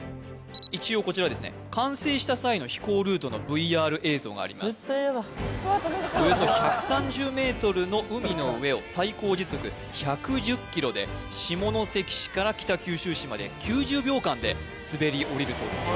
一応こちらはですね完成した際の飛行ルートのＶＲ映像があります・絶対やだおよそ１３０ｍの海の上を最高時速１１０キロで下関市から北九州市まで９０秒間で滑りおりるそうですよ・